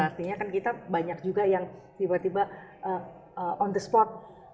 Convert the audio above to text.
artinya kan kita banyak juga yang tiba tiba on the spot